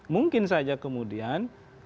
mungkin saja kemudian